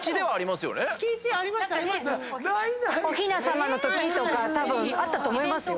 おひなさまのときとかあったと思いますよ。